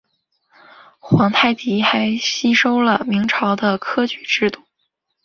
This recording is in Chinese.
皇太极还吸收了明朝的科举制度。